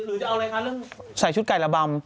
หรือจะเอาอะไรคะเรื่องใส่ชุดไก่ระบำ